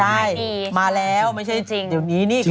ใช่มาแล้วไม่ใช่เดี๋ยวนี้นี่